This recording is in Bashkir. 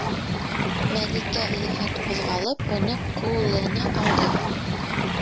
Мәликә, йәһәт ҡуҙғалып, уны ҡүлына алды.